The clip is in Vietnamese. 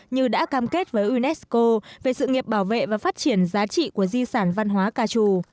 như đã cam kết với unesco về sự nghiệp bảo vệ và phát triển giá trị của di sản văn hóa ca trù